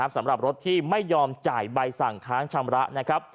สำหรับรถที่ไม่ยอมจ่ายใบสั่งค้างชำระนะครับ